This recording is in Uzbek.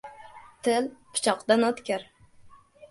• Til — pichoqdan o‘tkir.